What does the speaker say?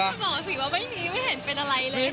จะบอกสิว่าไม่มีไม่เห็นเป็นอะไรเลย